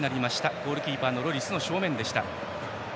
ゴールキーパーのロリスの正面でした。